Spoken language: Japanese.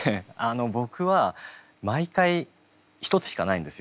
僕は毎回一つしかないんですよ。